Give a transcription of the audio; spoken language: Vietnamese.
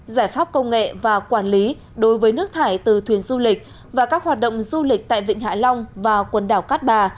giải pháp công nghệ và quản lý đối với nước thải từ thuyền du lịch và các hoạt động du lịch tại vịnh hạ long và quần đảo cát bà